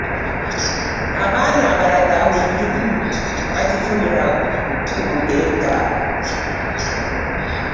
Abaana abalala buli kimu bakifunira ku mukeeka.